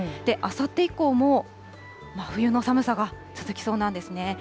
あさって以降も、真冬の寒さが続きそうなんですね。